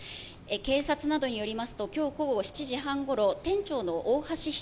警察などによりますと今日午後７時半ごろ店長の大橋弘